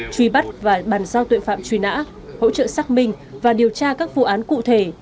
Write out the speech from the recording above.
truy bắt và bàn giao tuệ phạm truy nã hỗ trợ xác minh và điều tra các vụ án cụ thể